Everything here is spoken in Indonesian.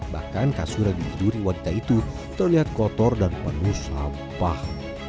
bahkan kasur yang dihiduri wanita itu terlihat kotor dan penuh sampah